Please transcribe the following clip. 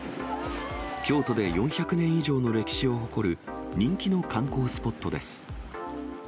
京都で４００年以上の歴史を誇る、人気の観光スポットです。